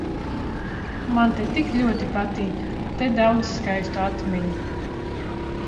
Man te tik ļoti patīk. Te daudz skaistu atmiņu.